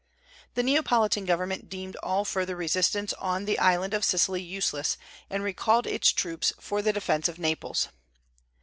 The Neapolitan government deemed all further resistance on the island of Sicily useless, and recalled its troops for the defence of Naples.